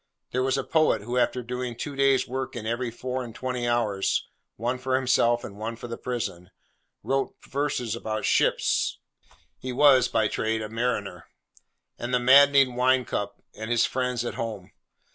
There was a poet, who after doing two days' work in every four and twenty hours, one for himself and one for the prison, wrote verses about ships (he was by trade a mariner), and 'the maddening wine cup,' and his friends at home.